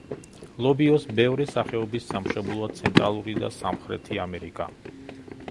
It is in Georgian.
ლობიოს ბევრი სახეობის სამშობლოა ცენტრალური და სამხრეთი ამერიკა.